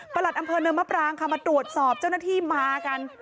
หลัดอำเภอเนินมะปรางค่ะมาตรวจสอบเจ้าหน้าที่มากัน